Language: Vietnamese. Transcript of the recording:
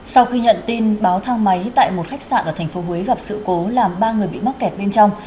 sau khi nhận tin báo thang máy tại một khách sạn ở thành phố huế gặp sự cố làm ba người bị mắc kẹt bên trong